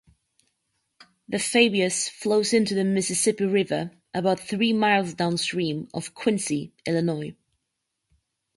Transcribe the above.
The Fabius flows into the Mississippi River about three miles downstream of Quincy, Illinois.